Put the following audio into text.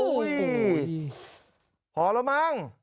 โอ้โหพอแล้วมั้ง